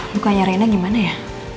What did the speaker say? bukannya reina gimana ya